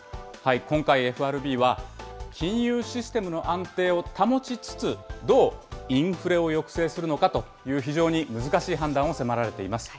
今回、ＦＲＢは、金融システムの安定を保ちつつ、どうインフレを抑制するのかという、非常に難しい判断を迫られています。